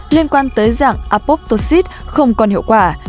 liên quan tới dạng apoptosis không còn hiệu quả